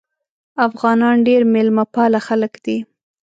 افغانان ډیر میلمه پاله خلک دي.